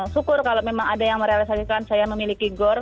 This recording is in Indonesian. syukur kalau memang ada yang merealisasikan saya memiliki gor